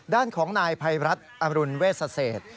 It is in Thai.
ด้านของนายภัยรัฐอรุณเวชเศษ